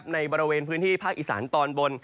ในบริเวณพื้นที่ภาคอีสานตอนบน